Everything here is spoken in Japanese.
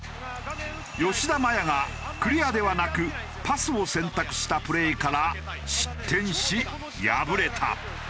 吉田麻也がクリアではなくパスを選択したプレイから失点し敗れた。